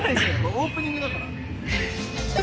オープニングだから。